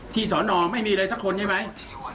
สอนอไม่มีเลยสักคนใช่ไหม